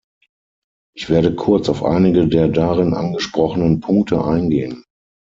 Ich werde kurz auf einige der darin angesprochenen Punkte eingehen.